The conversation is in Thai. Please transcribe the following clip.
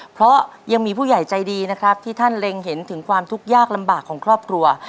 เพราะยังมีผู้ใหญ่ใจดีนะครับที่ท่านเล็งเห็นถึงความทุกข์ยากลำบากของครอบครัว